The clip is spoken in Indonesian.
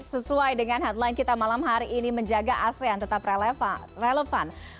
sesuai dengan headline kita malam hari ini menjaga asean tetap relevan